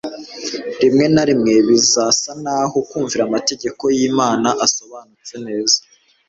Rimwe na rimwe bizasa naho kumvira amategeko y'Imana asobanutse neza